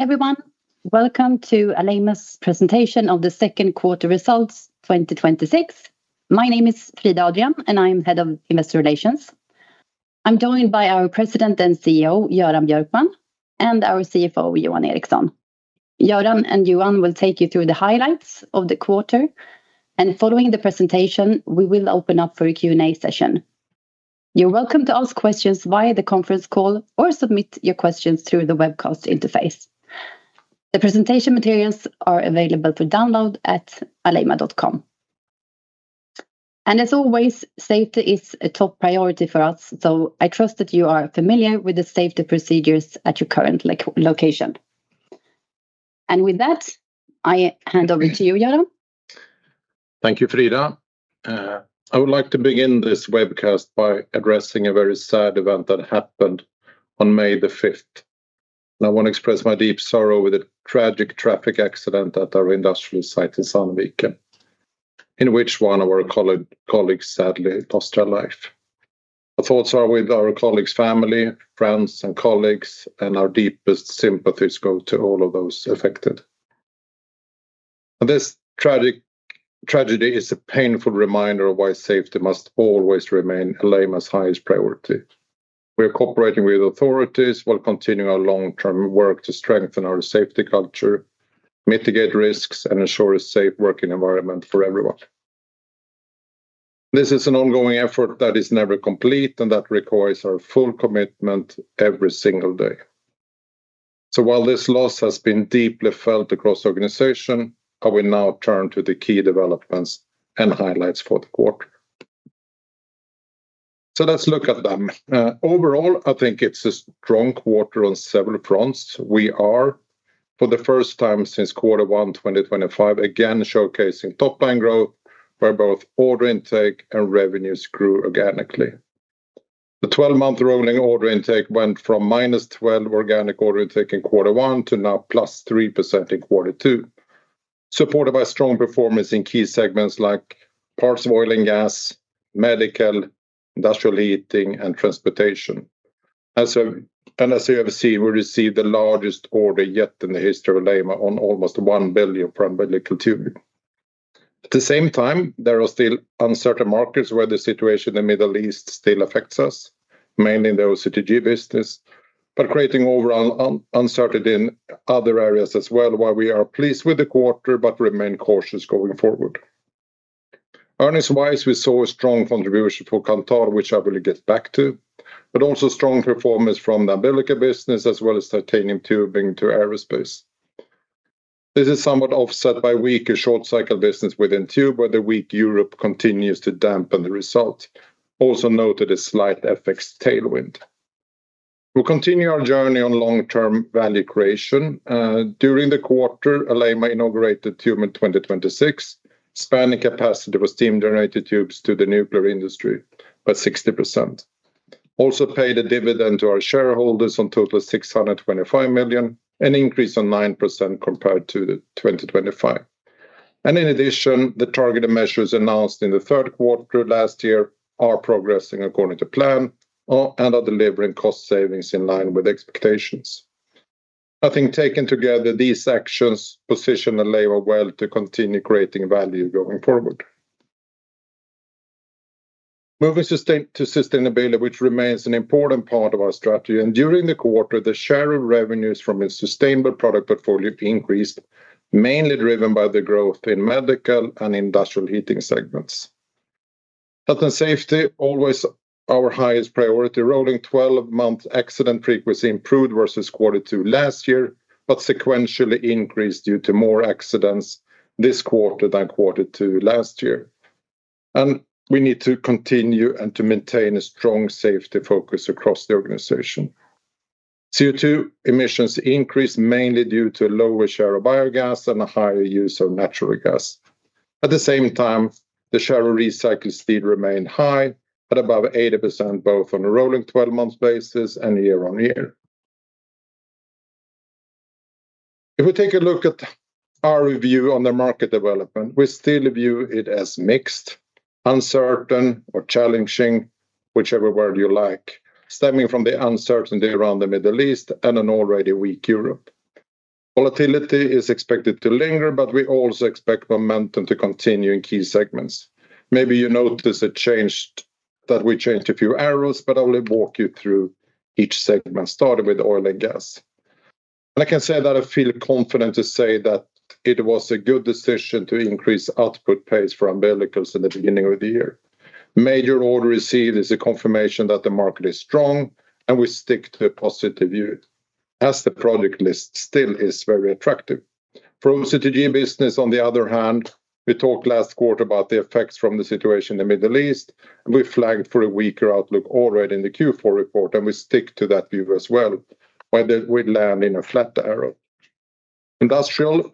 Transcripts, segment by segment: Hello, everyone. Welcome to Alleima's presentation of the second quarter results 2026. My name is Frida Adrian, and I am Head of Investor Relations. I am joined by our President and CEO, Göran Björkman, and our CFO, Johan Eriksson. Göran and Johan will take you through the highlights of the quarter, and following the presentation, we will open up for a Q&A session. You are welcome to ask questions via the conference call or submit your questions through the webcast interface. The presentation materials are available to download at alleima.com. As always, safety is a top priority for us, so I trust that you are familiar with the safety procedures at your current location. With that, I hand over to you, Göran. Thank you, Frida. I would like to begin this webcast by addressing a very sad event that happened on May the 5th. I want to express my deep sorrow with the tragic traffic accident at our industrial site in Sandviken, in which one of our colleagues sadly lost their life. Our thoughts are with our colleague's family, friends, and colleagues, and our deepest sympathies go to all of those affected. This tragedy is a painful reminder of why safety must always remain Alleima's highest priority. We are cooperating with authorities while continuing our long-term work to strengthen our safety culture, mitigate risks, and ensure a safe working environment for everyone. This is an ongoing effort that is never complete and that requires our full commitment every single day. While this loss has been deeply felt across the organization, I will now turn to the key developments and highlights for the quarter. Let's look at them. Overall, I think it is a strong quarter on several fronts. We are, for the first time since quarter one 2025, again showcasing top-line growth where both order intake and revenues grew organically. The 12-month rolling order intake went from -12% organic order intake in quarter one to now +3% in quarter two, supported by strong performance in key segments like parts of oil and gas, medical, industrial heating, and transportation. As you have seen, we received the largest order yet in the history of Alleima on almost 1 billion from umbilical tubing. At the same time, there are still uncertain markets where the situation in the Middle East still affects us, mainly in the OCTG business, but creating overall uncertainty in other areas as well. While we are pleased with the quarter, we remain cautious going forward. Earnings-wise, we saw a strong contribution from Kanthal, which I will get back to, but also strong performance from the umbilical business, as well as titanium tubing to aerospace. This is somewhat offset by weaker short-cycle business within tube, where the weak Europe continues to dampen the result. Also note a slight FX tailwind. We will continue our journey on long-term value creation. During the quarter, Alleima inaugurated Tube Mill 2026, expanding capacity with steam generator tubes to the nuclear industry by 60%. Also paid a dividend to our shareholders on total 625 million, an increase on 9% compared to 2025. In addition, the targeted measures announced in the third quarter last year are progressing according to plan and are delivering cost savings in line with expectations. I think taken together, these actions position Alleima well to continue creating value going forward. Moving to sustainability, which remains an important part of our strategy, and during the quarter, the share of revenues from its sustainable product portfolio increased, mainly driven by the growth in medical and industrial heating segments. Health and safety, always our highest priority. Rolling 12-month accident frequency improved versus quarter two last year, but sequentially increased due to more accidents this quarter than quarter two last year. We need to continue and to maintain a strong safety focus across the organization. CO2 emissions increased mainly due to a lower share of biogas and a higher use of natural gas. At the same time, the share of recycled steel remained high at above 80%, both on a rolling 12-month basis and year-over-year. If we take a look at our review on the market development, we still view it as mixed, uncertain, or challenging, whichever word you like, stemming from the uncertainty around the Middle East and an already weak Europe. Volatility is expected to linger, but we also expect momentum to continue in key segments. Maybe you notice that we changed a few arrows, but I will walk you through each segment, starting with oil and gas. I can say that I feel confident to say that it was a good decision to increase output pace for umbilicals in the beginning of the year. Major order received is a confirmation that the market is strong, and we stick to a positive view as the product list still is very attractive. For OCTG business, on the other hand, we talked last quarter about the effects from the situation in the Middle East, and we flagged for a weaker outlook already in the Q4 report, and we stick to that view as well, where we land in a flat arrow. Industrial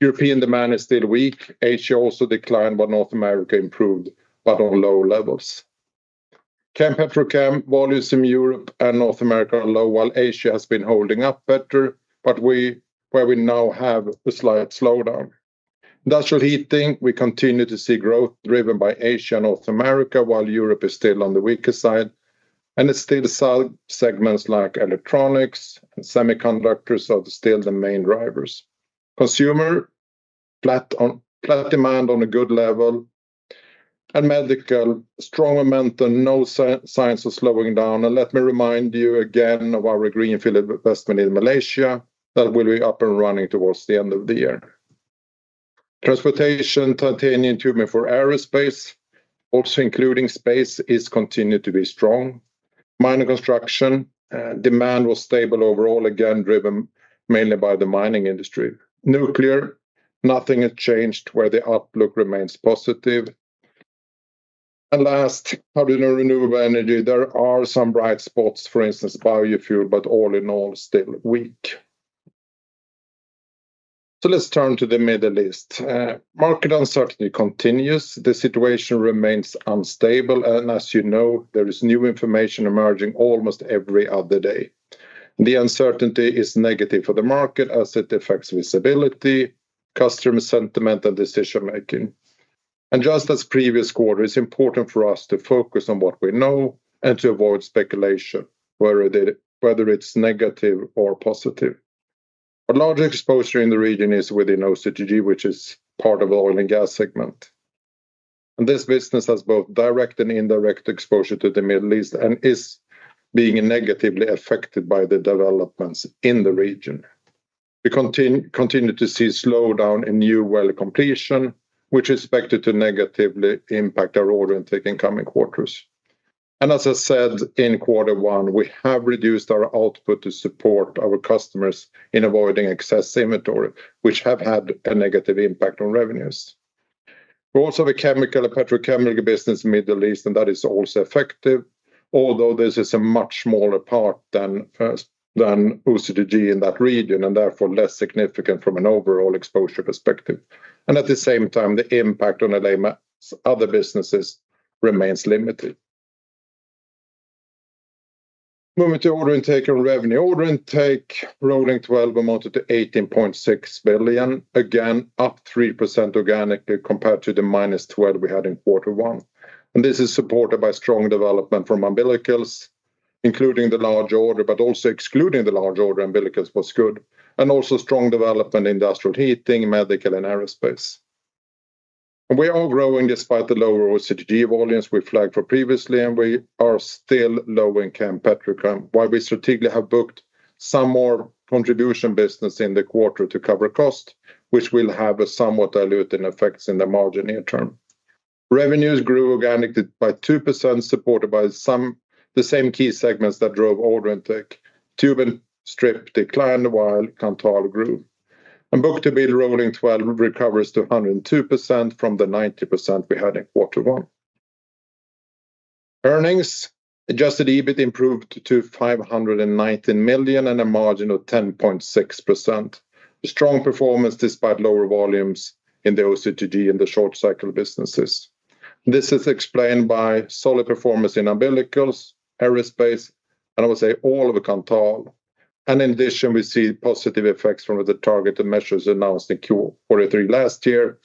European demand is still weak. Asia also declined while North America improved, but on lower levels. Chem/Petrochem volumes in Europe and North America are low, while Asia has been holding up better, where we now have a slight slowdown. Industrial heating, we continue to see growth driven by Asia and North America, while Europe is still on the weaker side, and it's still segments like electronics and semiconductors are still the main drivers. Consumer, flat demand on a good level. Medical, strong momentum, no signs of slowing down. Let me remind you again of our greenfield investment in Malaysia that will be up and running towards the end of the year. Transportation, titanium tubing for aerospace, also including space, is continued to be strong. Mining and construction, demand was stable overall, again, driven mainly by the mining industry. Nuclear, nothing has changed where the outlook remains positive. Last, hydrogen and renewable energy. There are some bright spots, for instance, biofuel, but all in all, still weak. Let's turn to the Middle East. Market uncertainty continues. The situation remains unstable. As you know, there is new information emerging almost every other day. The uncertainty is negative for the market as it affects visibility, customer sentiment, and decision-making. Just as previous quarter, it is important for us to focus on what we know and to avoid speculation, whether it is negative or positive. Large exposure in the region is within OCTG, which is part of the oil and gas segment. This business has both direct and indirect exposure to the Middle East and is being negatively affected by the developments in the region. We continue to see a slowdown in new well completion, which is expected to negatively impact our order intake in coming quarters. As I said in quarter one, we have reduced our output to support our customers in avoiding excess inventory, which have had a negative impact on revenues. We also have a chemical, a petrochemical business in Middle East, and that is also affected, although this is a much smaller part than OCTG in that region, and therefore less significant from an overall exposure perspective. At the same time, the impact on Alleima's other businesses remains limited. Movement to order intake and revenue. Order intake, rolling 12 amounted to 18.6 billion, again, up 3% organically compared to the -12% we had in quarter one. This is supported by strong development from umbilicals, including the large order, but also excluding the large order, umbilicals was good. Also strong development in industrial heating, medical, and aerospace. We are growing despite the lower OCTG volumes we flagged for previously, and we are still low in chem, petrochem, while we strategically have booked some more contribution business in the quarter to cover cost, which will have a somewhat diluting effects in the margin near term. Revenues grew organically by 2%, supported by the same key segments that drove order intake. Tube and strip declined while Kanthal grew. Book-to-bill rolling 12 recovers to 102% from the 90% we had in quarter one. Earnings, adjusted EBIT improved to 519 million and a margin of 10.6%. A strong performance despite lower volumes in the OCTG in the short-cycle businesses. This is explained by solid performance in umbilicals, aerospace, and I would say all of the Kanthal. In addition, we see positive effects from the targeted measures announced in Q4 and Q3 last year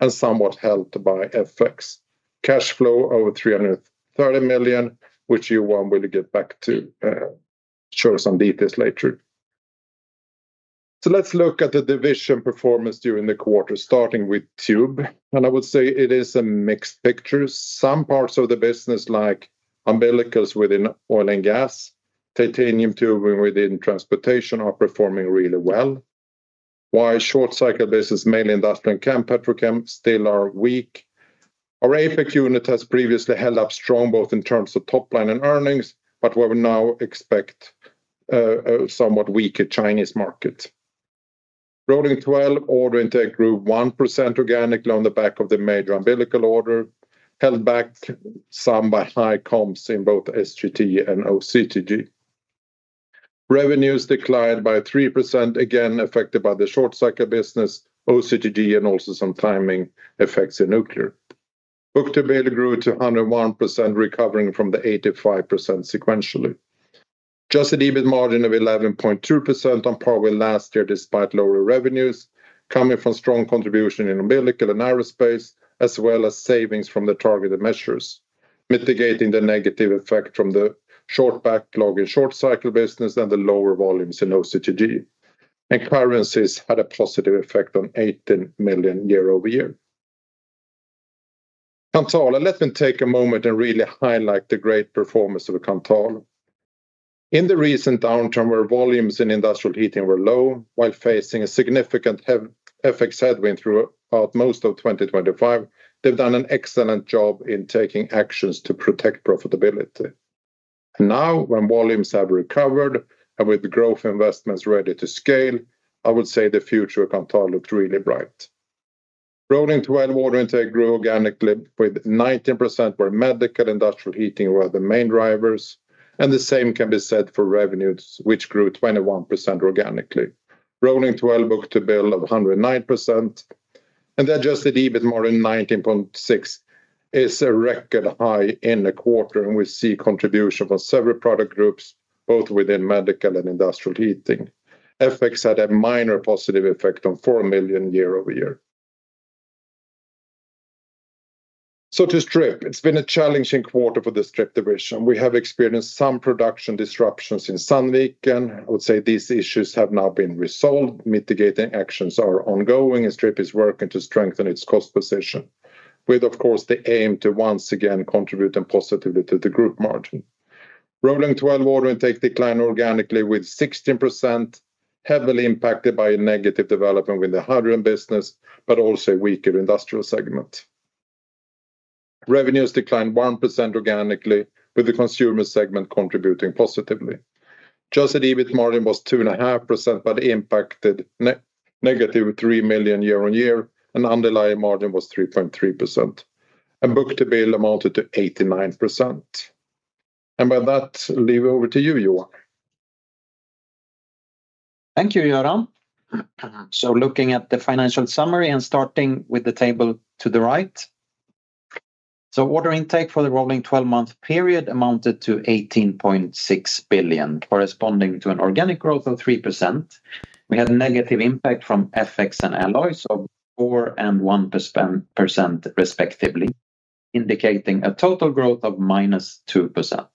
and somewhat helped by FX. Cash flow over 330 million, which Johan will get back to share some details later. Let's look at the division performance during the quarter, starting with tube, I would say it is a mixed picture. Some parts of the business, like umbilicals within oil and gas, titanium tubing within transportation, are performing really well. While short-cycle business, mainly industrial and chem, petrochem, still are weak. Our APAC unit has previously held up strong, both in terms of top line and earnings, but we now expect a somewhat weaker Chinese market. Rolling 12 order intake grew 1% organically on the back of the major umbilical order, held back some by high comps in both SGT and OCTG. Revenues declined by 3%, again affected by the short-cycle business, OCTG, and also some timing effects in nuclear. Book-to-bill grew to 101%, recovering from the 85% sequentially. Adjusted EBIT margin of 11.2%, on par with last year despite lower revenues, coming from strong contribution in umbilical and aerospace, as well as savings from the targeted measures, mitigating the negative effect from the short backlog in short-cycle business and the lower volumes in OCTG. Currencies had a positive effect on 18 million year-over-year. Kanthal, let me take a moment and really highlight the great performance of Kanthal. In the recent downturn where volumes in industrial heating were low, while facing a significant FX headwind throughout most of 2025, they've done an excellent job in taking actions to protect profitability. Now, when volumes have recovered, and with growth investments ready to scale, I would say the future of Kanthal looks really bright. Rolling 12 order intake grew organically with 19%, where medical, industrial heating, were the main drivers. The same can be said for revenues, which grew 21% organically. Rolling 12 book-to-bill of 109%. The adjusted EBIT margin 19.6% is a record high in the quarter, and we see contribution from several product groups. Both within medical and industrial heating. FX had a minor positive effect on 4 million year-over-year. To Strip. It's been a challenging quarter for the Strip division. We have experienced some production disruptions in Sandviken. I would say these issues have now been resolved. Mitigating actions are ongoing, and Strip is working to strengthen its cost position. With, of course, the aim to once again contribute positively to the group margin. Rolling 12 order intake declined organically with 16%, heavily impacted by a negative development with the hydrogen business, but also a weaker industrial segment. Revenues declined 1% organically, with the consumer segment contributing positively. Adjusted EBIT margin was 2.5%, but impacted negative 3 million year-on-year, and underlying margin was 3.3%. Book-to-bill amounted to 89%. With that, leave over to you, Johan. Thank you, Göran. Looking at the financial summary and starting with the table to the right. Order intake for the rolling 12-month period amounted to 18.6 billion, corresponding to an organic growth of 3%. We had a negative impact from FX and alloys of 4% and 1%, respectively, indicating a total growth of -2%.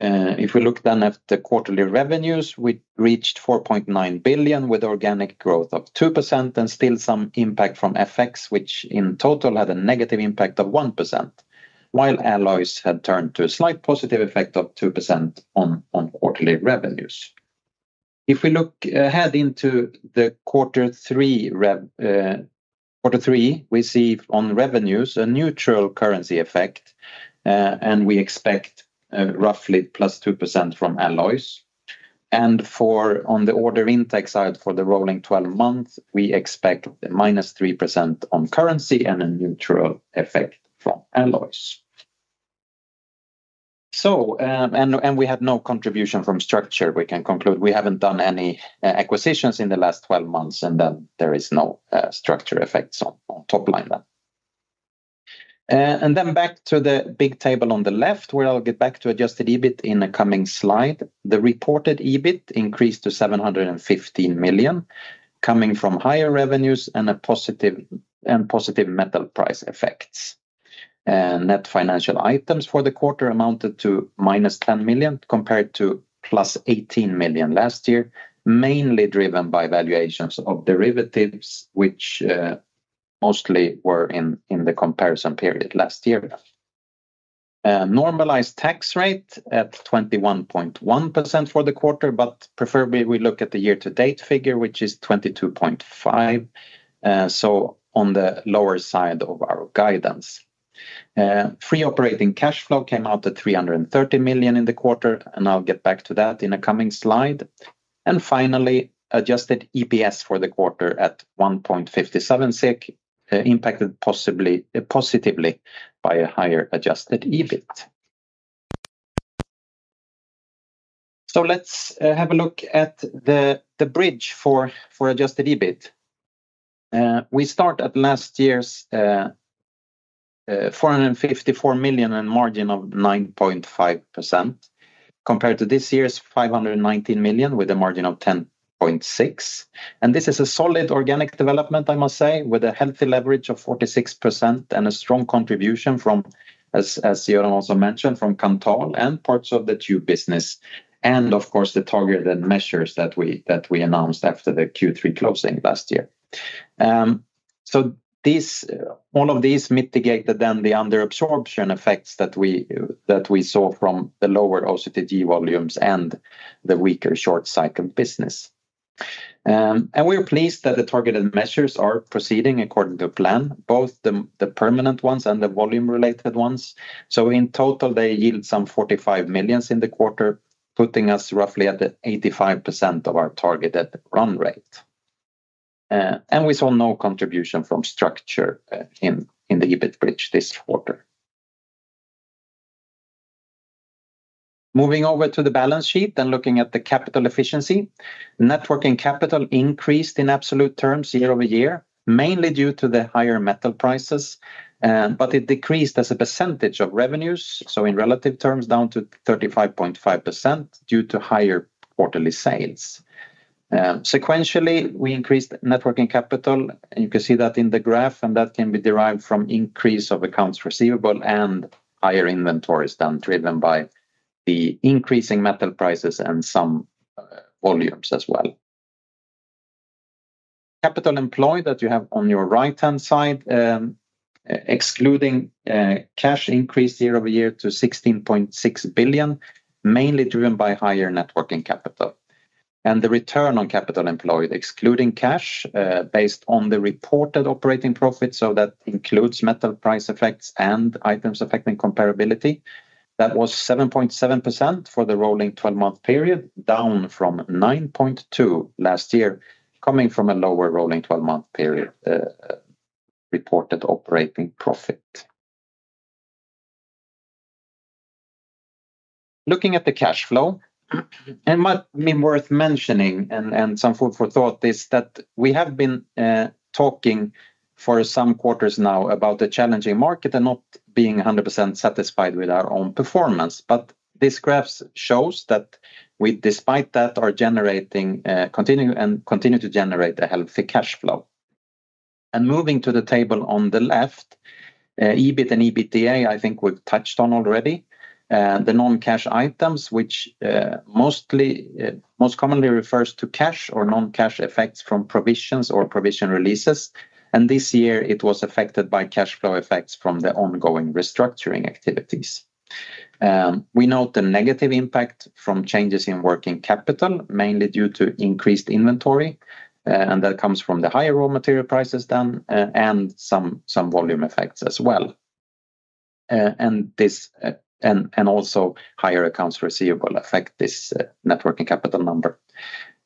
If we look then at the quarterly revenues, we reached 4.9 billion with organic growth of 2% and still some impact from FX, which in total had a negative impact of 1%, while alloys had turned to a slight positive effect of 2% on quarterly revenues. If we look ahead into the quarter three, we see on revenues a neutral currency effect, and we expect roughly +2% from alloys. On the order intake side for the rolling 12 months, we expect -3% on currency and a neutral effect from alloys. We had no contribution from structure. We can conclude we haven't done any acquisitions in the last 12 months, there is no structure effects on top line then. Back to the big table on the left, where I'll get back to adjusted EBIT in a coming slide. The reported EBIT increased to 715 million, coming from higher revenues and positive metal price effects. Net financial items for the quarter amounted to -10 million compared to +18 million last year, mainly driven by valuations of derivatives, which mostly were in the comparison period last year. Normalized tax rate at 21.1% for the quarter, but preferably we look at the year-to-date figure, which is 22.5%, so on the lower side of our guidance. Free operating cash flow came out at 330 million in the quarter, I'll get back to that in a coming slide. Finally, adjusted EPS for the quarter at 1.57 SEK, impacted positively by a higher adjusted EBIT. Let's have a look at the bridge for adjusted EBIT. We start at last year's 454 million and margin of 9.5%, compared to this year's 519 million with a margin of 10.6%. This is a solid organic development, I must say, with a healthy leverage of 46% and a strong contribution from, as Göran also mentioned, from Kanthal and parts of the Tube business, and of course, the targeted measures that we announced after the Q3 closing last year. All of these mitigated then the under-absorption effects that we saw from the lower OCTG volumes and the weaker short-cycle business. We're pleased that the targeted measures are proceeding according to plan, both the permanent ones and the volume-related ones. In total, they yield some 45 million in the quarter, putting us roughly at 85% of our targeted run rate. We saw no contribution from structure in the EBIT bridge this quarter. Moving over to the balance sheet and looking at the capital efficiency. Net working capital increased in absolute terms year-over-year, mainly due to the higher metal prices, but it decreased as a percentage of revenues, so in relative terms, down to 35.5% due to higher quarterly sales. Sequentially, we increased net working capital, you can see that in the graph, that can be derived from increase of accounts receivable and higher inventories than driven by the increasing metal prices and some volumes as well. Capital employed that you have on your right-hand side, excluding cash increase year-over-year to 16.6 billion, mainly driven by higher net working capital. The return on capital employed, excluding cash, based on the reported operating profit, so that includes metal price effects and items affecting comparability. That was 7.7% for the rolling 12-month period, down from 9.2% last year, coming from a lower rolling 12-month period reported operating profit. Looking at the cash flow, worth mentioning and some food for thought is that we have been talking for some quarters now about the challenging market and not being 100% satisfied with our own performance. This graph shows that we, despite that, continue to generate a healthy cash flow. Moving to the table on the left, EBIT and EBITDA, I think we've touched on already. The non-cash items, which most commonly refers to cash or non-cash effects from provisions or provision releases. This year it was affected by cash flow effects from the ongoing restructuring activities. We note the negative impact from changes in working capital, mainly due to increased inventory. That comes from the higher raw material prices then, and some volume effects as well. Also higher accounts receivable affect this net working capital number.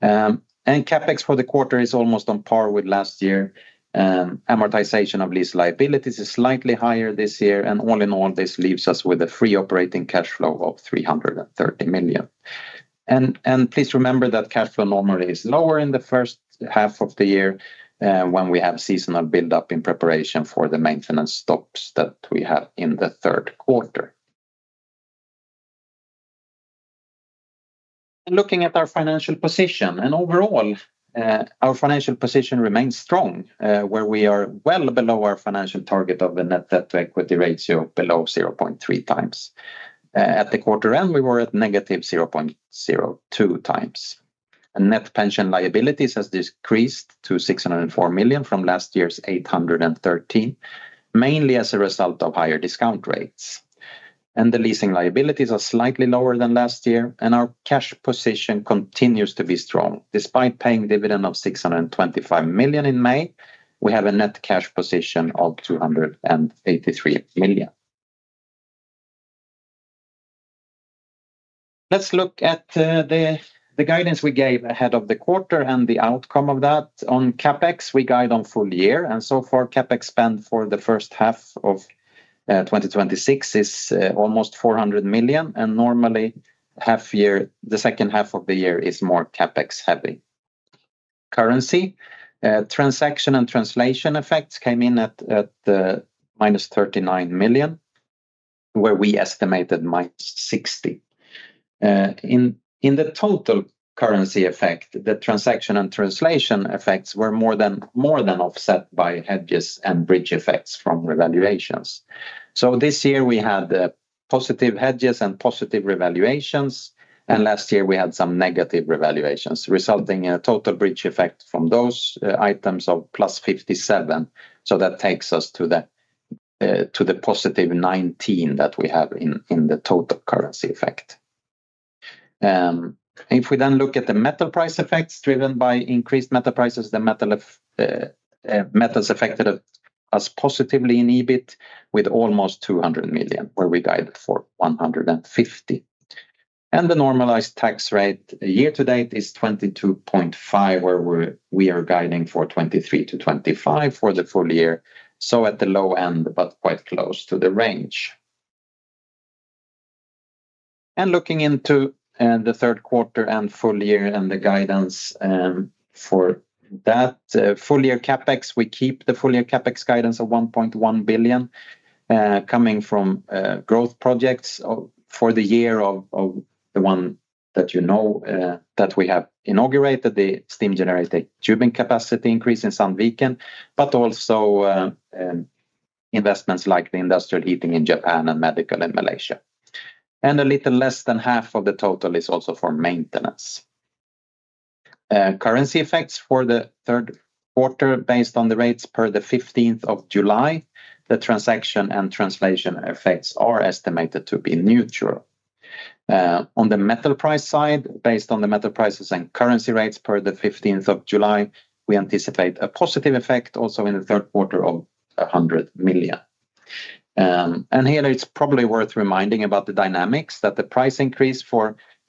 CapEx for the quarter is almost on par with last year. Amortization of lease liabilities is slightly higher this year. All in all, this leaves us with a free operating cash flow of 330 million. Please remember that cash flow normally is lower in the first half of the year, when we have seasonal build-up in preparation for the maintenance stops that we have in the third quarter. Looking at our financial position, overall, our financial position remains strong, where we are well below our financial target of a net debt equity ratio below 0.3x. At the quarter end, we were at -0.02x. Net pension liabilities has decreased to 604 million from last year's 813 million, mainly as a result of higher discount rates. The leasing liabilities are slightly lower than last year, and our cash position continues to be strong. Despite paying dividend of 625 million in May, we have a net cash position of 283 million. Let's look at the guidance we gave ahead of the quarter and the outcome of that. On CapEx, we guide on full year, and so far CapEx spend for the first half of 2026 is almost 400 million, and normally the second half of the year is more CapEx heavy. Currency. Transaction and translation effects came in at -39 million, where we estimated -60 million. In the total currency effect, the transaction and translation effects were more than offset by hedges and bridge effects from revaluations. This year we had positive hedges and positive revaluations, and last year we had some negative revaluations, resulting in a total bridge effect from those items of +57 million. That takes us to the +19 million that we have in the total currency effect. If we look at the metal price effects driven by increased metal prices, the metals affected us positively in EBIT with almost 200 million where we guided for 150 million. The normalized tax rate year to date is 22.5%, where we are guiding for 23%-25% for the full year. At the low end, but quite close to the range. Looking into the third quarter and full year and the guidance for that full year CapEx, we keep the full year CapEx guidance of 1.1 billion, coming from growth projects for the year of the one that you know, that we have inaugurated, the Steam Generator Tubing capacity increase in Sandviken, but also investments like the industrial heating in Japan and medical in Malaysia. A little less than half of the total is also for maintenance. Currency effects for the third quarter, based on the rates per the 15th of July, the transaction and translation effects are estimated to be neutral. On the metal price side, based on the metal prices and currency rates per the 15th of July, we anticipate a positive effect also in the third quarter of 100 million. Here it's probably worth reminding about the dynamics that the price increase,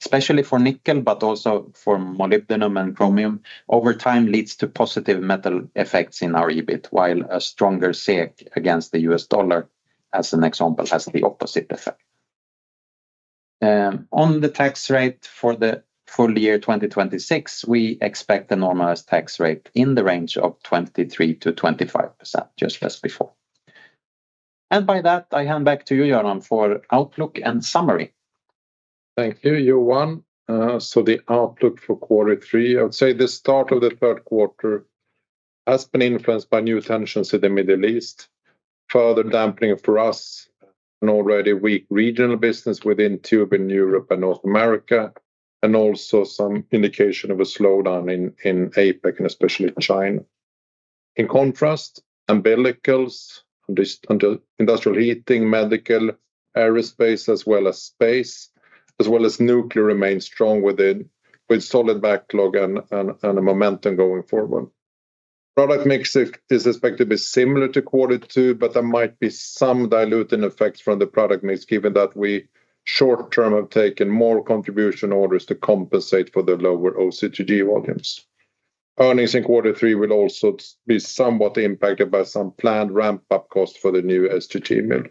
especially for nickel, but also for molybdenum and chromium, over time leads to positive metal effects in our EBIT, while a stronger SEK against the U.S. dollar, as an example, has the opposite effect. On the tax rate for the full year 2026, we expect a normalized tax rate in the range of 23%-25%, just as before. By that, I hand back to you, Göran, for outlook and summary. Thank you, Johan. The outlook for quarter three, I would say the start of the third quarter has been influenced by new tensions in the Middle East, further dampening for us an already weak regional business within tube in Europe and North America, and also some indication of a slowdown in APAC and especially China. In contrast, umbilicals, industrial heating, medical, aerospace, as well as space, as well as nuclear remain strong with solid backlog and momentum going forward. Product mix is expected to be similar to quarter two, but there might be some diluting effects from the product mix given that we short term have taken more contribution orders to compensate for the lower OCTG volumes. Earnings in quarter three will also be somewhat impacted by some planned ramp-up costs for the new SGT mill.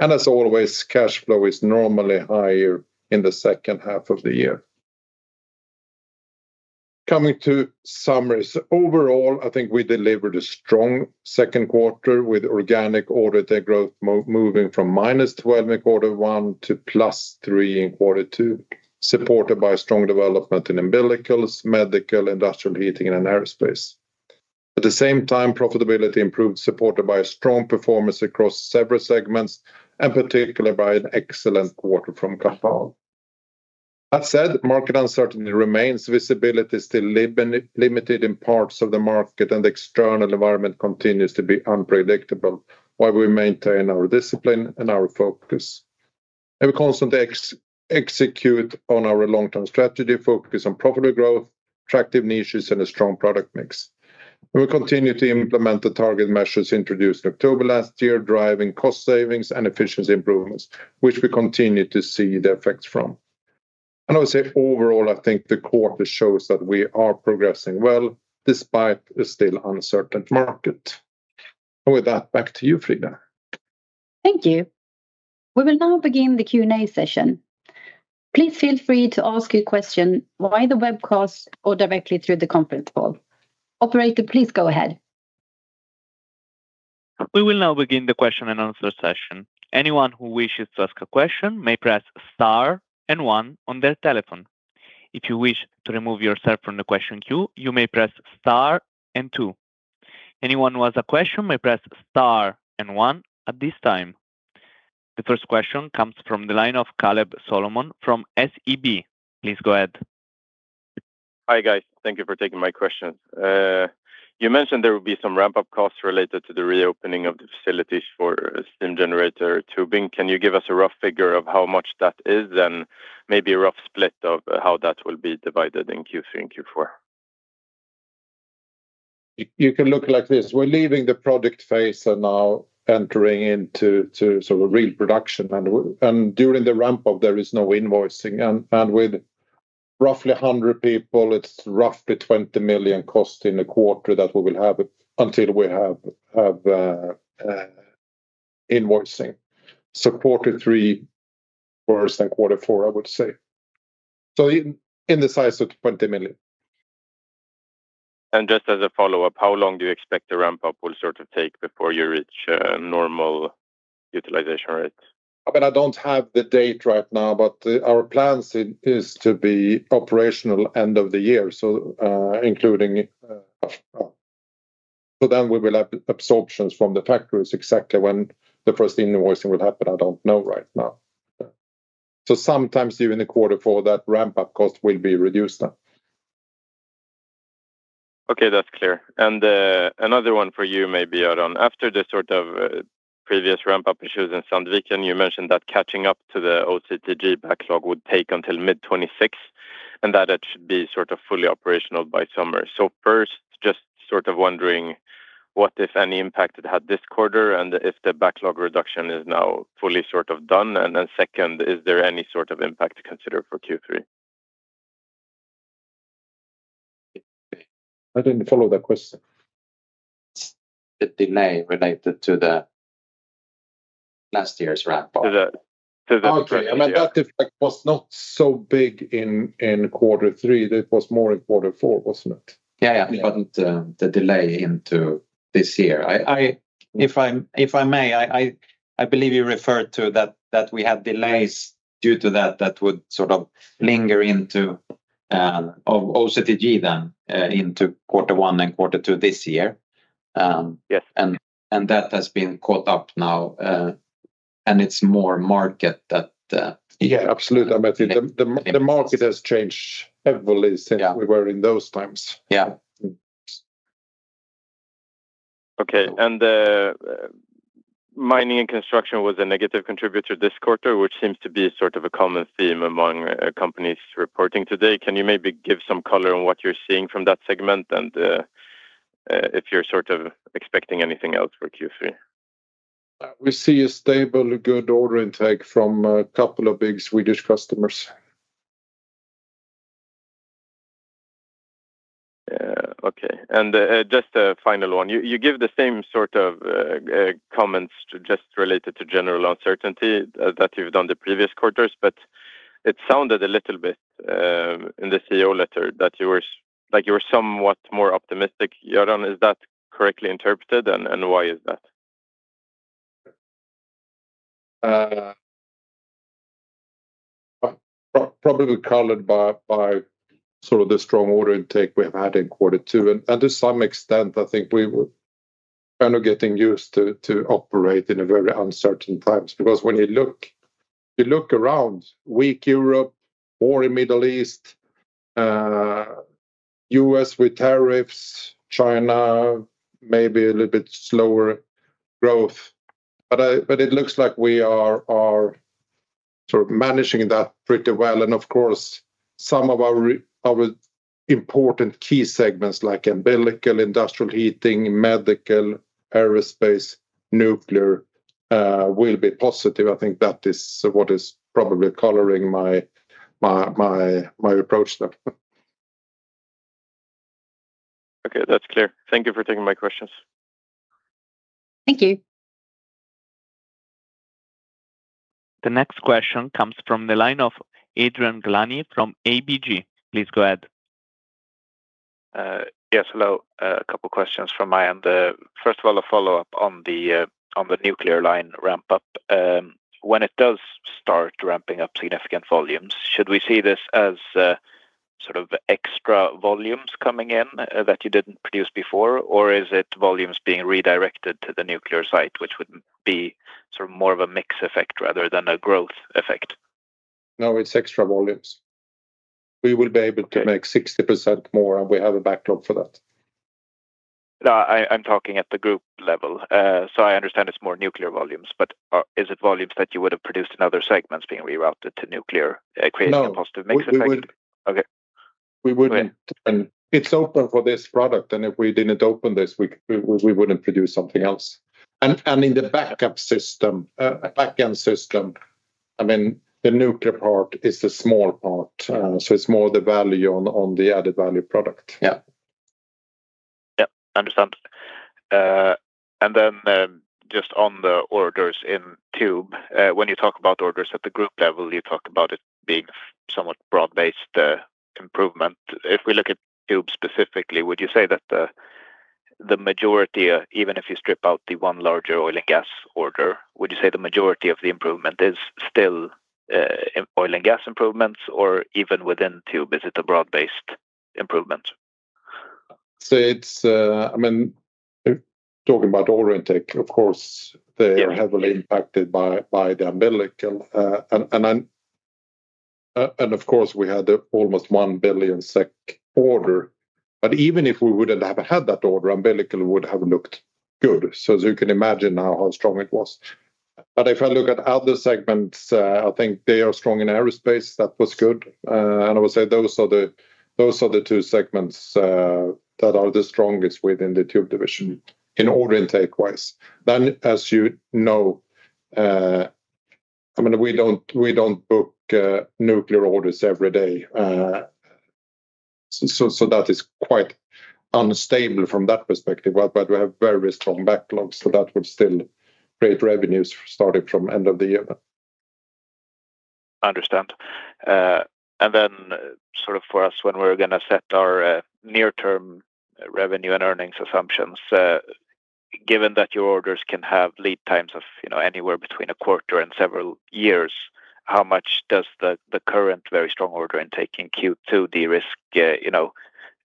As always, cash flow is normally higher in the second half of the year. Coming to summaries. Overall, I think we delivered a strong second quarter with organic order take growth moving from -12% in quarter one to +3% in quarter two, supported by strong development in umbilicals, medical, industrial heating, and in aerospace. At the same time, profitability improved, supported by a strong performance across several segments, and particularly by an excellent quarter from Kanthal. That said, market uncertainty remains. Visibility is still limited in parts of the market, and the external environment continues to be unpredictable while we maintain our discipline and our focus. We constantly execute on our long-term strategy, focus on profitable growth, attractive niches, and a strong product mix. We continue to implement the target measures introduced October last year, driving cost savings and efficiency improvements, which we continue to see the effects from. I would say overall, I think the quarter shows that we are progressing well despite a still uncertain market. With that, back to you, Frida. Thank you. We will now begin the Q&A session. Please feel free to ask your question via the webcast or directly through the conference call. Operator, please go ahead. We will now begin the question and answer session. Anyone who wishes to ask a question may press star and one on their telephone. If you wish to remove yourself from the question queue, you may press star and two. Anyone who has a question may press star and one at this time. The first question comes from the line of Kaleb Solomon from SEB. Please go ahead. Hi, guys. Thank you for taking my questions. You mentioned there would be some ramp-up costs related to the reopening of the facilities for Steam Generator Tubing. Can you give us a rough figure of how much that is and maybe a rough split of how that will be divided in Q3 and Q4? You can look like this. We're leaving the project phase and now entering into real production. During the ramp-up, there is no invoicing. With roughly 100 people, it's roughly 20 million cost in a quarter that we will have until we have invoicing. Quarter three worse than quarter four, I would say. In the size of 20 million. Just as a follow-up, how long do you expect the ramp-up will take before you reach normal utilization rates? I don't have the date right now, but our plan is to be operational end of the year, including. Then we will have absorptions from the factories. Exactly when the first invoicing will happen, I don't know right now. Some time during the quarter four, that ramp-up cost will be reduced then. Okay, that's clear. Another one for you maybe, Göran. After the previous ramp-up issues in Sandviken, you mentioned that catching up to the OCTG backlog would take until mid 2026, and that it should be fully operational by summer. First, just wondering what, if any, impact it had this quarter, and if the backlog reduction is now fully done. Then second, is there any impact to consider for Q3? I didn't follow that question. The delay related to the last year's ramp-up. To the- Okay. That effect was not so big in quarter three. That was more in quarter four, wasn't it? Yeah. The delay into this year. If I may, I believe you referred to that we had delays due to that that would linger into, of OCTG then, into quarter one and quarter two this year. Yes. That has been caught up now. It's more market. Yeah, absolutely. I mean, the market has changed heavily since we were in those times. Yeah. Okay. Mining and construction was a negative contributor this quarter, which seems to be a common theme among companies reporting today. Can you maybe give some color on what you're seeing from that segment and if you're expecting anything else for Q3? We see a stable, good order intake from a couple of big Swedish customers. Just a final one. You give the same sort of comments just related to general uncertainty that you've done the previous quarters, it sounded a little bit, in the CEO letter, that you were somewhat more optimistic. Göran, is that correctly interpreted, and why is that? Probably colored by the strong order intake we have had in quarter two. To some extent, I think we were getting used to operate in very uncertain times. When you look around, weak Europe, war in Middle East, U.S. with tariffs, China, maybe a little bit slower growth. It looks like we are managing that pretty well. Of course, some of our important key segments like umbilical, industrial heating, medical, aerospace, nuclear, will be positive. I think that is what is probably coloring my approach there. Okay. That's clear. Thank you for taking my questions. Thank you. The next question comes from the line of Adrian Gilani from ABG. Please go ahead. Yes. Hello. A couple questions from my end. First of all, a follow-up on the nuclear line ramp-up. When it does start ramping up significant volumes, should we see this as extra volumes coming in that you didn't produce before? Or is it volumes being redirected to the nuclear site, which would be more of a mix effect rather than a growth effect? No, it's extra volumes. We will be able to make 60% more. We have a backlog for that. No, I'm talking at the group level. I understand it's more nuclear volumes, but is it volumes that you would have produced in other segments being rerouted to nuclear, creating a positive mix effect? No. Okay. Go ahead. It's open for this product, and if we didn't open this, we wouldn't produce something else. In the back-end system, the nuclear part is the small part. It's more the value on the added-value product. Yeah. Understand. Then just on the orders in Tube. When you talk about orders at the group level, you talk about it being somewhat broad-based improvement. If we look at Tube specifically, even if you strip out the one larger oil and gas order, would you say the majority of the improvement is still oil and gas improvements? Or even within Tube, is it a broad-based improvement? Talking about order intake, of course, they are heavily impacted by the umbilical. Of course, we had almost 1 billion SEK order. Even if we wouldn't have had that order, umbilical would have looked good. You can imagine now how strong it was. If I look at other segments, I think they are strong in aerospace. That was good. I would say those are the two segments that are the strongest within the Tube division in order intake wise. As you know, we don't book nuclear orders every day, so that is quite unstable from that perspective. We have very strong backlogs, so that would still create revenues starting from end of the year. Understand. For us, when we're going to set our near-term revenue and earnings assumptions, given that your orders can have lead times of anywhere between a quarter and several years, how much does the current very strong order intake in Q2 de-risk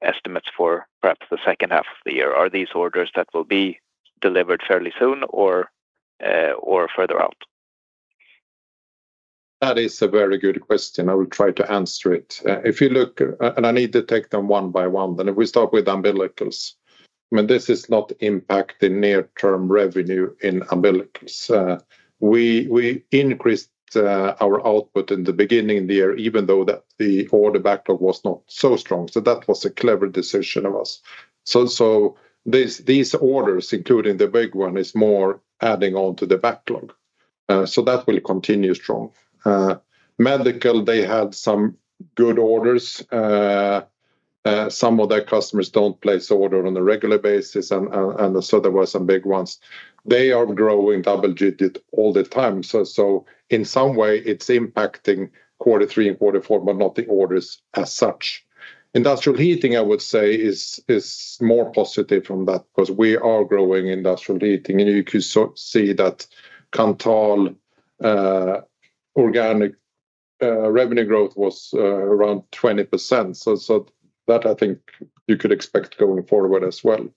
estimates for perhaps the second half of the year? Are these orders that will be delivered fairly soon or further out? That is a very good question. I will try to answer it. I need to take them one by one, if we start with umbilicals. This is not impacting near-term revenue in umbilicals. We increased our output in the beginning of the year, even though the order backlog was not so strong. That was a clever decision of us. These orders, including the big one, is more adding on to the backlog. That will continue strong. Medical, they had some good orders. Some of their customers don't place order on a regular basis, there were some big ones. They are growing double-digit all the time. In some way, it's impacting quarter three and quarter four, but not the orders as such. Industrial heating, I would say, is more positive from that because we are growing industrial heating, and you could see that Kanthal organic revenue growth was around 20%. That I think you could expect going forward as well.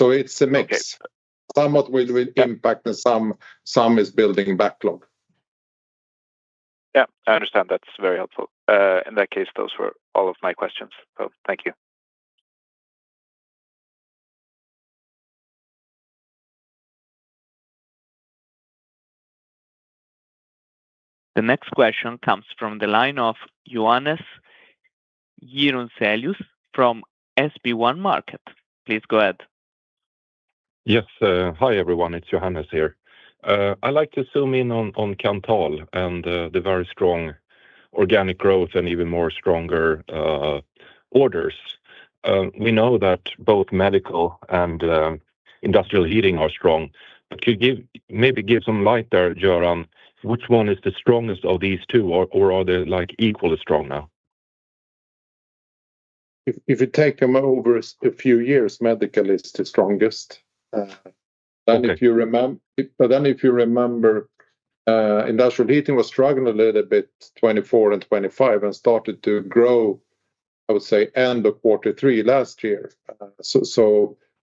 It's a mix. Okay. Somewhat will impact and some is building backlog. Yes, I understand. That's very helpful. In that case, those were all of my questions. So thank you. The next question comes from the line of Johannes Grunselius from SB1 Markets. Please go ahead. Yes. Hi, everyone. It's Johannes here. I like to zoom in on Kanthal and the very strong organic growth and even more stronger orders. We know that both medical and industrial heating are strong. Could you maybe give some light there, Göran, which one is the strongest of these two, or are they equally strong now? If you take them over a few years, medical is the strongest. Okay. If you remember, industrial heating was struggling a little bit 2024 and 2025 and started to grow, I would say, end of quarter three last year.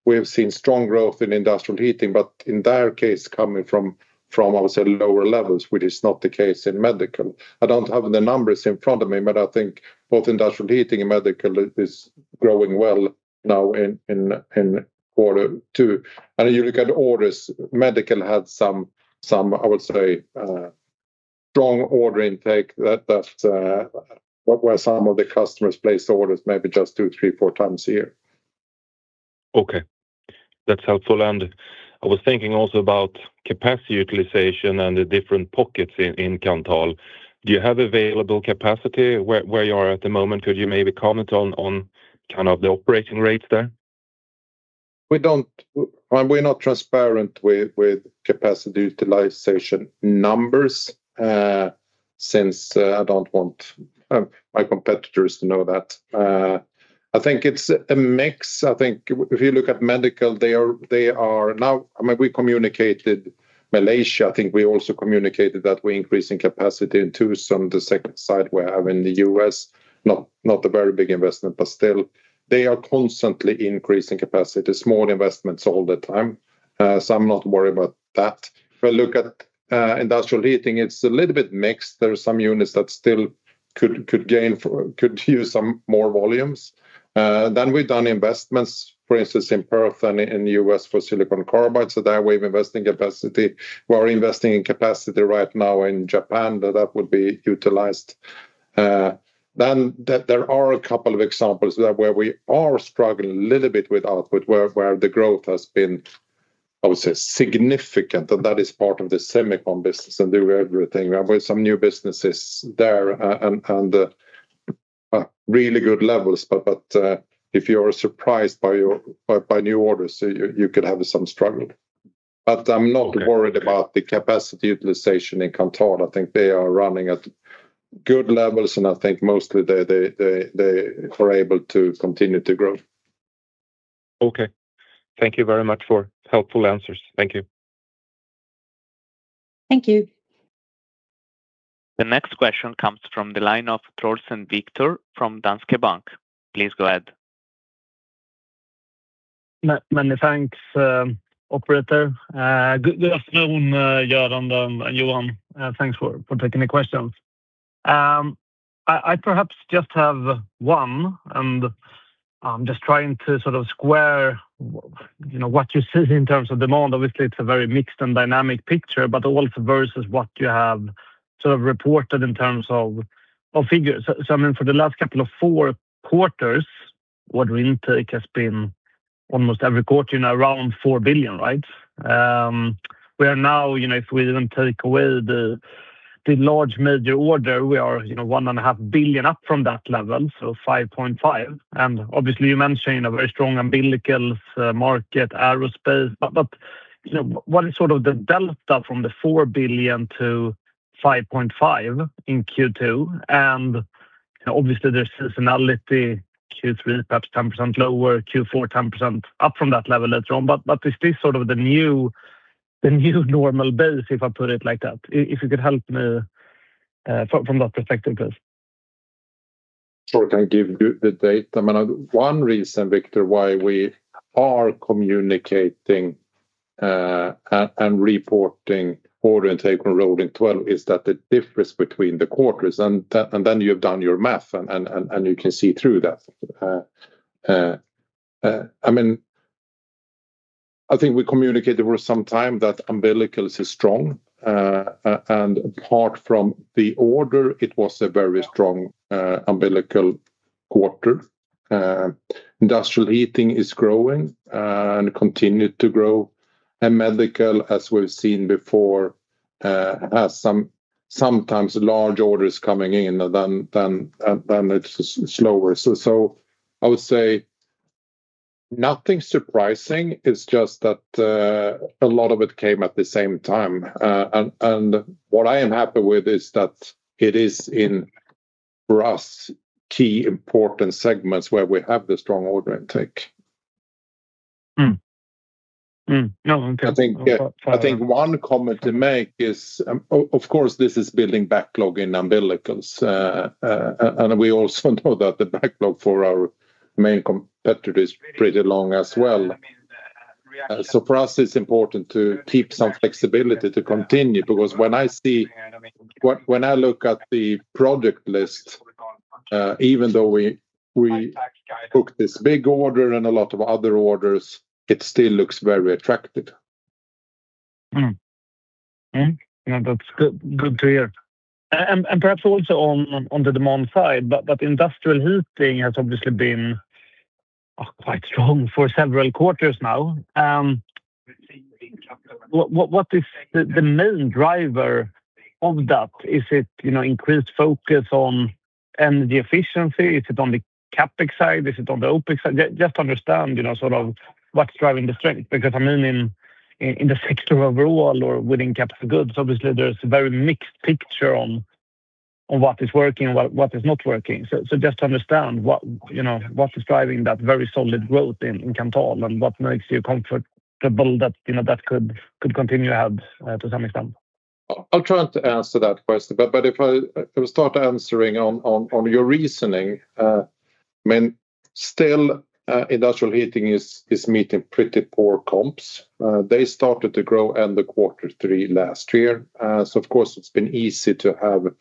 We have seen strong growth in industrial heating, but in their case, coming from, I would say, lower levels, which is not the case in medical. I don't have the numbers in front of me, but I think both industrial heating and medical is growing well now in quarter two. You look at orders, medical had some, I would say, strong order intake that were some of the customers place orders maybe just two, three, four times a year. Okay. That's helpful. I was thinking also about capacity utilization and the different pockets in Kanthal. Do you have available capacity where you are at the moment? Could you maybe comment on the operating rates there? We're not transparent with capacity utilization numbers, since I don't want my competitors to know that. I think it's a mix. I think if you look at medical, we communicated Malaysia, I think we also communicated that we're increasing capacity in Tucson, the second site we have in the U.S. Not a very big investment, but still, they are constantly increasing capacity, small investments all the time. I'm not worried about that. If I look at industrial heating, it's a little bit mixed. There are some units that still could use some more volumes. We've done investments, for instance, in Perth and in the U.S. for silicon carbide. There, we're investing capacity. We are investing in capacity right now in Japan, that would be utilized. There are a couple of examples where we are struggling a little bit with output, where the growth has been, I would say, significant, and that is part of the semiconductor business and do everything with some new businesses there and really good levels. If you're surprised by new orders, you could have some struggle. I'm not worried about the capacity utilization in Kanthal. I think they are running at good levels, and I think mostly they are able to continue to grow. Okay. Thank you very much for helpful answers. Thank you. Thank you. The next question comes from the line of Trollsten Viktor from Danske Bank. Please go ahead. Many thanks, operator. Good afternoon, Göran and Johan. Thanks for taking the questions. I perhaps just have one. I'm just trying to square what you see in terms of demand. Obviously, it's a very mixed and dynamic picture, also versus what you have reported in terms of figures. I mean, for the last couple of four quarters, order intake has been almost every quarter now around 4 billion, right? Where now, if we even take away the large major order, we are 1.5 billion up from that level, so 5.5 billion. Obviously you mentioned a very strong umbilicals market, aerospace. What is the delta from the 4 billion to 5.5 billion in Q2? Obviously there's seasonality, Q3 perhaps 10% lower, Q4 10% up from that level later on. Is this sort of the new normal base, if I put it like that? If you could help me from that perspective, please. Sure, can give you the data. One reason, Viktor, why we are communicating and reporting order intake rolling 12 is that the difference between the quarters and then you've done your math and you can see through that. I think we communicated for some time that umbilicals is strong. Apart from the order, it was a very strong umbilical quarter. Industrial heating is growing and continued to grow. Medical, as we've seen before, has sometimes large orders coming in, then it's slower. I would say nothing surprising, it's just that a lot of it came at the same time. What I am happy with is that it is in, for us, key important segments where we have the strong order intake. Okay. I think one comment to make is, of course, this is building backlog in umbilicals. We also know that the backlog for our main competitor is pretty long as well. For us, it's important to keep some flexibility to continue, because when I look at the project list, even though we took this big order and a lot of other orders, it still looks very attractive. That's good to hear. Perhaps also on the demand side, but industrial heating has obviously been quite strong for several quarters now. What is the main driver of that? Is it increased focus on energy efficiency? Is it on the CapEx side? Is it on the OpEx side? Just to understand what's driving the strength. I mean, in the sector overall or within capital goods, obviously there's a very mixed picture on what is working and what is not working. Just to understand what is driving that very solid growth in Kanthal and what makes you comfortable that that could continue ahead to some extent. I'll try to answer that question. If I start answering on your reasoning, still, industrial heating is meeting pretty poor comps. They started to grow end of quarter three last year. Of course, it's been easy to have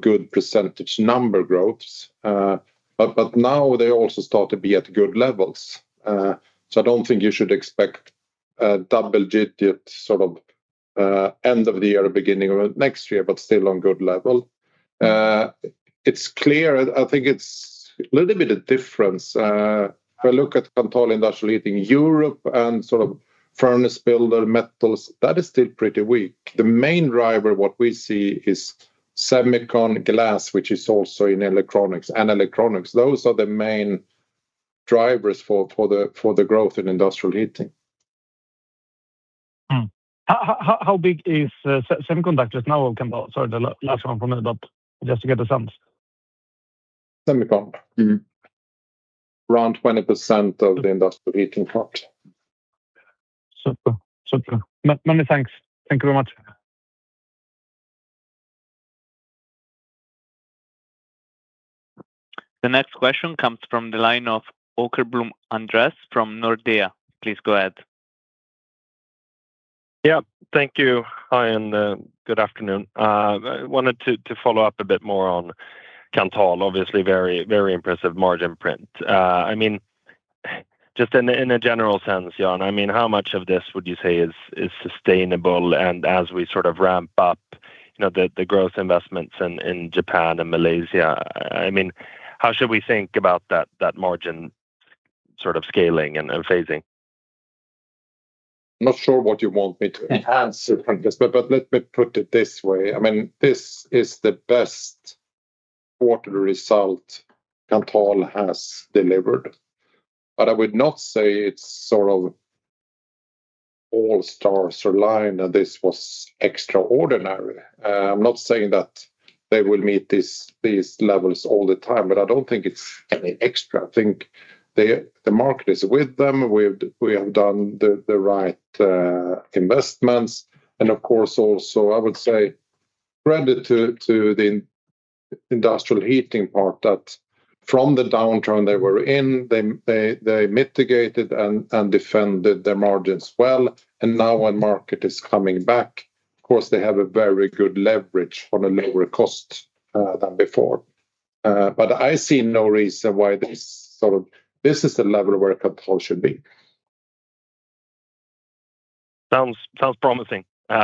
good percentage number growths. Now they also start to be at good levels. I don't think you should expect double-digit end of the year or beginning of next year, but still on good level. It's clear, I think it's a little bit of difference. If I look at Kanthal industrial heating Europe and furnace builder, metals, that is still pretty weak. The main driver, what we see is semiconductor glass, which is also in electronics and electronics. Those are the main drivers for the growth in industrial heating. How big is semiconductors now? Sorry, the last one from me, but just to get a sense. Semicon? Around 20% of the industrial heating part. Super. Many thanks. Thank you very much. The next question comes from the line of Åkerblom Andres from Nordea. Please go ahead. Yeah, thank you. Hi, and good afternoon. I wanted to follow up a bit more on Kanthal. Obviously very impressive margin print. Just in a general sense, Göran, how much of this would you say is sustainable? As we ramp up the growth investments in Japan and Malaysia, how should we think about that margin scaling and phasing? Not sure what you want me to- [Enhance] Let me put it this way. This is the best quarter result Kanthal has delivered. I would not say it's all stars aligned and this was extraordinary. I'm not saying that they will meet these levels all the time, but I don't think it's any extra. I think the market is with them. We have done the right investments and, of course, also I would say credit to the industrial heating part that from the downturn they were in, they mitigated and defended their margins well. Now when market is coming back, of course, they have a very good leverage on a lower cost than before. I see no reason why this is the level where Kanthal should be. Sounds promising. You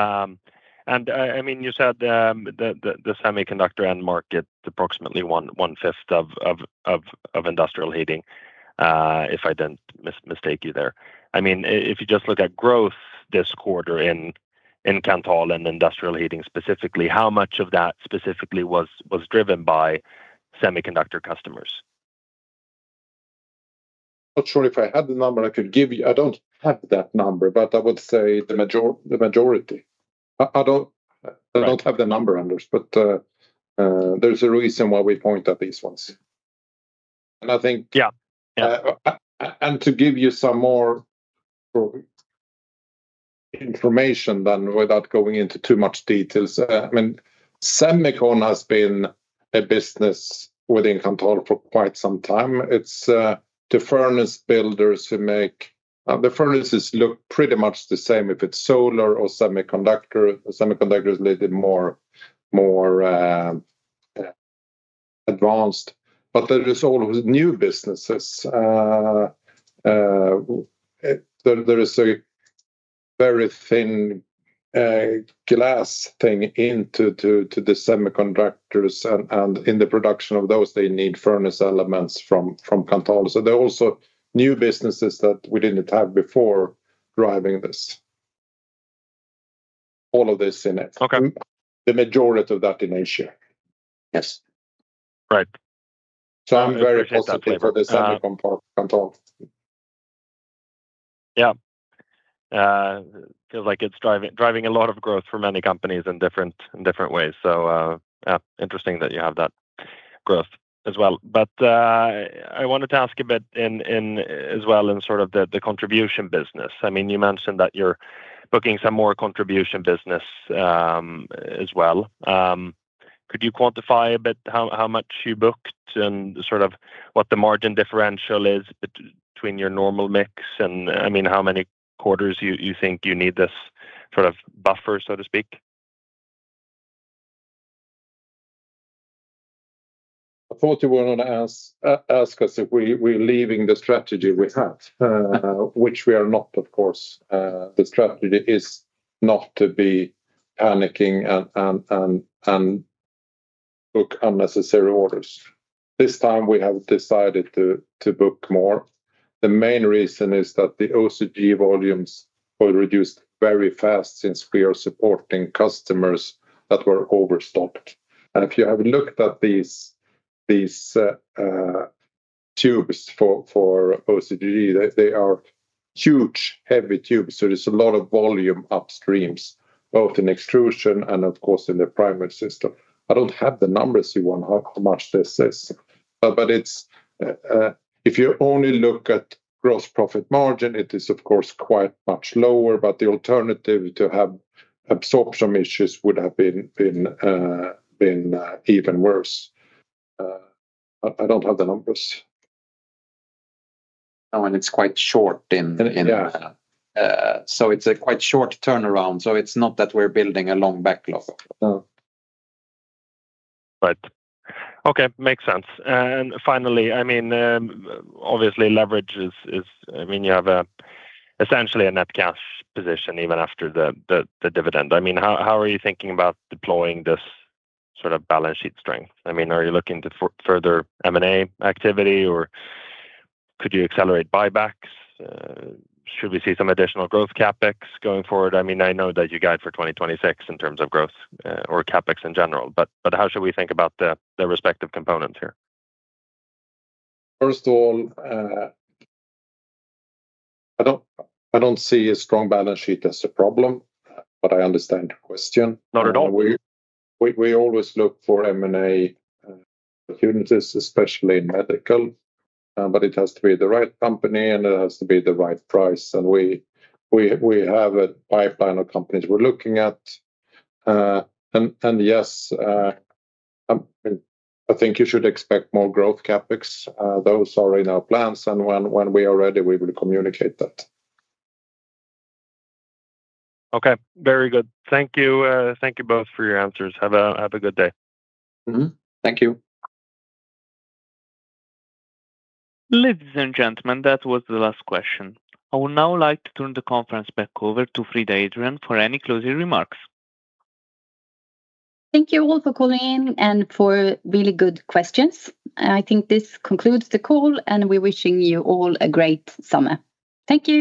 said the semiconductor end market, approximately one fifth of industrial heating, if I didn't mistake you there. If you just look at growth this quarter in Kanthal and industrial heating specifically, how much of that specifically was driven by semiconductor customers? Not sure if I had the number I could give you. I don't have that number. I would say the majority. I don't have the number, Anders. There's a reason why we point at these ones. Yeah. To give you some more information then, without going into too much details, semiconductor has been a business within Kanthal for quite some time. It's the furnace builders who make the furnaces look pretty much the same if it's solar or semiconductor. Semiconductor is a little bit more advanced. There is all of the new businesses. There is a very thin glass thing into the semiconductors and in the production of those, they need furnace elements from Kanthal. They're also new businesses that we didn't have before driving this. All of this in it. Okay. The majority of that in Asia. Yes. Right. I'm very positive for the semiconductor Kanthal. Yeah. Feels like it's driving a lot of growth for many companies in different ways. Interesting that you have that growth as well. I wanted to ask a bit in, as well, in the contribution business. You mentioned that you're booking some more contribution business as well. Could you quantify a bit how much you booked and what the margin differential is between your normal mix and how many quarters you think you need this buffer, so to speak? I thought you were going to ask us if we're leaving the strategy we had, which we are not, of course. The strategy is not to be panicking and book unnecessary orders. This time we have decided to book more. The main reason is that the OCTG volumes were reduced very fast since we are supporting customers that were overstocked. If you have looked at these tubes for OCTG, they are huge, heavy tubes. There's a lot of volume upstreams, both in extrusion and of course in the primary system. I don't have the numbers you want, how much this is, but if you only look at gross profit margin, it is of course quite much lower, but the alternative to have absorption issues would have been even worse. I don't have the numbers. No. It's quite short in. Yeah. It's a quite short turnaround. It's not that we're building a long backlog. Right. Okay, makes sense. Finally, obviously leverage is, you have essentially a net cash position even after the dividend. How are you thinking about deploying this balance sheet strength? Are you looking to further M&A activity, or could you accelerate buybacks? Should we see some additional growth CapEx going forward? I know that you guide for 2026 in terms of growth or CapEx in general, but how should we think about the respective components here? First of all, I don't see a strong balance sheet as a problem, but I understand your question. Not at all. We always look for M&A opportunities, especially in medical, but it has to be the right company and it has to be the right price. We have a pipeline of companies we're looking at. Yes, I think you should expect more growth CapEx. Those are in our plans and when we are ready, we will communicate that. Okay. Very good. Thank you both for your answers. Have a good day. Thank you. Ladies and gentlemen, that was the last question. I would now like to turn the conference back over to Frida Adrian for any closing remarks. Thank you all for calling in and for really good questions. I think this concludes the call, and we're wishing you all a great summer. Thank you